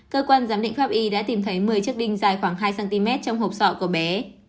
cơ quan giám định pháp y đã tìm thấy một mươi chiếc đinh dài khoảng hai cm trong hộp sọ của bé